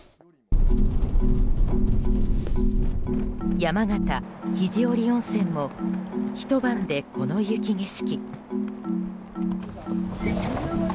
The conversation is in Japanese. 山形・肘折温泉もひと晩で、この雪景色。